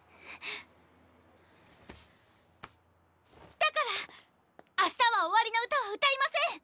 だから明日は終わりの歌は歌いません！